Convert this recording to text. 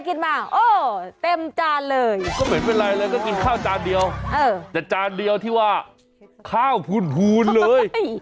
ข้าวจานเดียวแต่จานเดียวที่ว่าข้าวผูนเลย